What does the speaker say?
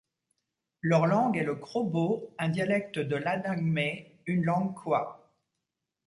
Leur langue est le krobo, un dialecte de l'adangme, une langue kwa.